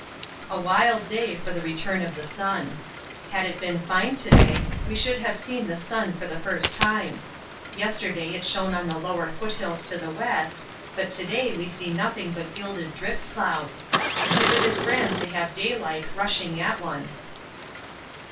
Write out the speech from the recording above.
A wild day for the return of the sun. Had it been fine to day we should have seen the sun for the first time; yesterday it shone on the lower foothills to the west, but to day we see nothing but gilded drift clouds. Yet it is grand to have daylight rushing at one.